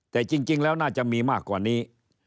แต่จริงแล้วน่าจะมีมากกว่านี้